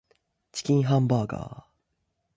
チキンハンバーガー